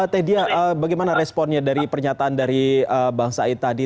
teh dia bagaimana responnya dari pernyataan dari bang said tadi